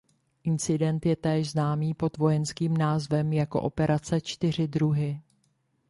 Incident je též známý pod vojenským názvem jako operace Čtyři druhy.